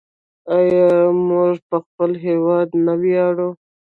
آیا موږ په خپل هیواد نه ویاړو؟